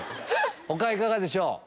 他いかがでしょう？